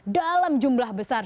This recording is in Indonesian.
dalam jumlah besar